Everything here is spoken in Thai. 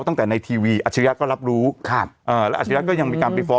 ตั้งแต่ในทีวีอาชิริยะก็รับรู้ครับเอ่อแล้วอาชญะก็ยังมีการไปฟ้อง